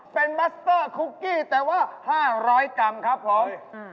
เป็นมัสเตอร์คุกกี้แต่ว่า๕๐๐กรัมครับผม